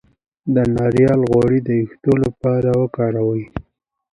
د ناریل غوړي د ویښتو لپاره وکاروئ